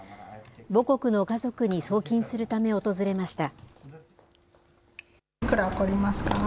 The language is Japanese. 母国の家族に送金するため訪れました。